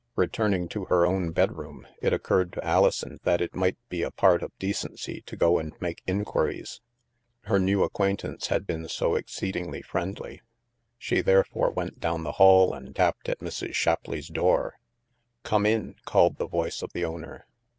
Returning to her own bedroom, it occurred to Alison that it might be the part of decency to go and make inquiries. THE MAELSTROM 129 Her new acquaintance had been so exceedingly friendly. She therefore went down the hall and tapped at Mrs. Shapleigh's door. " Come in," called the voice of the owner.